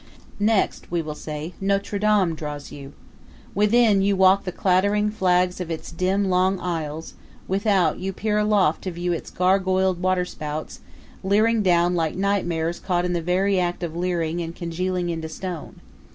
Next, we will say, Notre Dame draws you. Within, you walk the clattering flags of its dim, long aisles; without, you peer aloft to view its gargoyled waterspouts, leering down like nightmares caught in the very act of leering and congealed into stone.